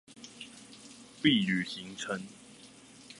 畢旅行程